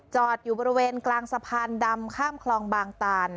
จอดอยู่บริเวณกลางสะพานดำข้ามคลองบางตาน